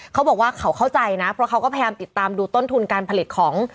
เขาบอกว่าเขาเข้าใจนะเพราะเขาก็พยายามติดตามดูต้นทุนการผลิตของ